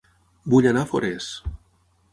Vull anar a Forès